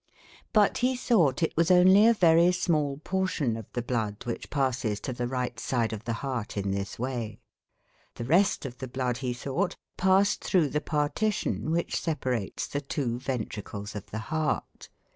But he thought it was only a very small portion of the blood which passes to the right side of the heart in this way; the rest of the blood, he thought, passed through the partition which separates the two ventricles of the heart.